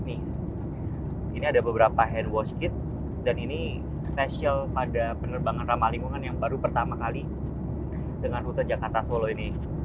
ini ada beberapa hand wash kit dan ini spesial pada penerbangan ramah lingkungan yang baru pertama kali dengan rute jakarta solo ini